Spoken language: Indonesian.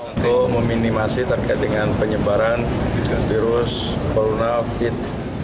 untuk meminimasi terkait dengan penyebaran virus corona covid sembilan belas